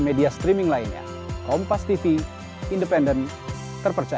jadi terrealis saja enggak lupa